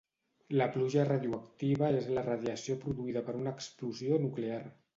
La pluja radioactiva és la radiació produïda per una explosió nuclear.